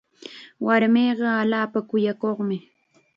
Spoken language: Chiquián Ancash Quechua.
Warminqa allaapa kuyakuqmi.